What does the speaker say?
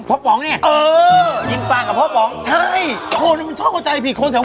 ปลากระป๋องเนี้ยเออจริงปลากระป๋องใช่คนทำชอบเข้าใจผิดคนแถว